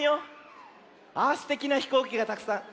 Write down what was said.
ああすてきなひこうきがたくさん。